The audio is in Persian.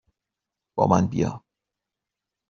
با من بیا!